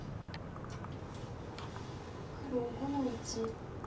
黒５の一。